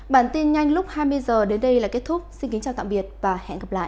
bản tin nhanh lúc hai mươi h đến đây là kết thúc xin kính chào tạm biệt và hẹn gặp lại